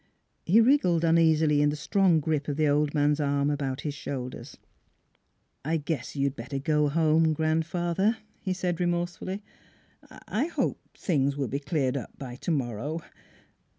He wriggled uneasily in the strong grip of the old man's arm about his shoulders. " I guess you'd better go home, grandfather," he said remorsefully. " I I hope things will be cleared up by tomorrow.